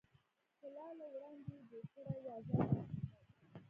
چې لا له وړاندې یې جوړ کړی و، ازاد څرخېدل.